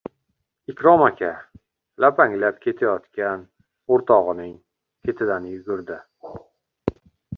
Ikrom aka lapanglab ketayotgan o‘rtog‘ining ketidan yugurdi.